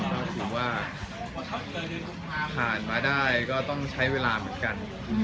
แล้วถึงผ่านมาได้ก็ต้องใช้เวลาเหมือนกัน